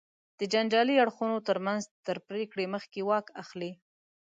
د جنجالي اړخونو تر منځ تر پرېکړې مخکې واک اخلي.